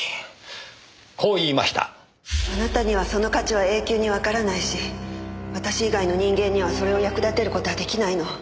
あなたにはその価値は永久にわからないし私以外の人間にはそれを役立てる事は出来ないの。